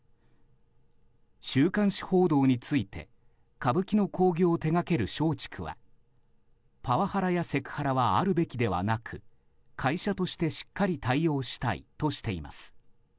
週刊誌報道について歌舞伎の興行を手がける松竹はパワハラやセクハラはあるべきではなく会社としてしっかり対応したいとしています。